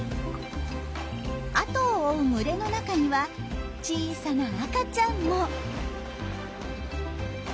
後を追う群れの中には小さな赤ちゃんも。